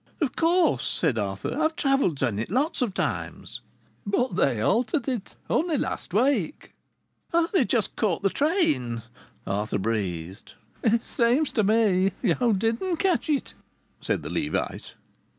"Of course," said Arthur; "I've travelled by it lots of times." "But they altered it only last week." "I only just caught the train," Arthur breathed. "Seems to me you didn't catch it," said the Levite.